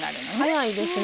早いですね。